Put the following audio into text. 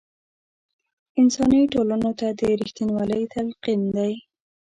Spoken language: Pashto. انساني ټولنو ته د رښتینوالۍ تلقین دی.